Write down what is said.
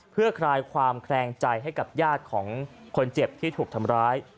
เพื่อคลายความแคลงใจให้กับญาติของคนเจ็บที่ถูกทำร้าย